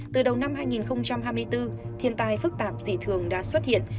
từ đầu năm hai nghìn hai mươi bốn thiên tai phức tạp dị thường đã xuất hiện